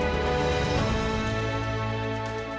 atau agar tidak terjadi keguguran